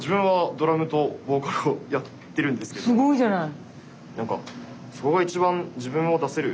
自分はすごいじゃない。